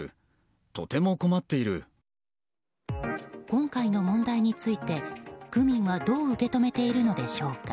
今回の問題について区民はどう受け止めているのでしょうか。